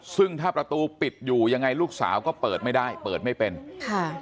ซึ่งถ้าประตูปิดอยู่ยังไงลูกสาวก็เปิดไม่ได้เปิดไม่เป็นค่ะ